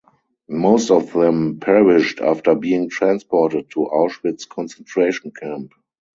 Most of them perished after being transported to Auschwitz concentration camp.